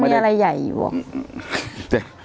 จะมีอะไรใหญ่อยู่หรอ